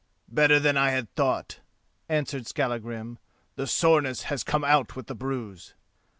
"Better than I had thought," answered Skallagrim; "the soreness has come out with the bruise."